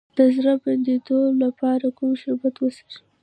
د زړه د بندیدو لپاره کوم شربت وڅښم؟